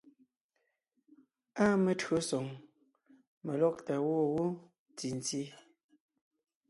Áa metÿǒsoŋ , melɔ́gtà gwɔ̂ wó ntì ntí.